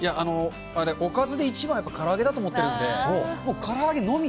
おかずで一番はから揚げだと思っているので、もうから揚げのみ、